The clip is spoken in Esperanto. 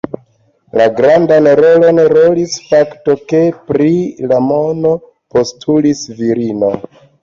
La grandan rolon rolis fakto, ke pri la mono postulis virino.